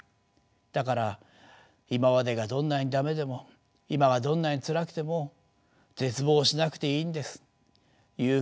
だから今までがどんなに駄目でも今はどんなにつらくても絶望しなくていいんです。